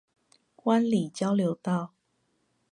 灣裡交流道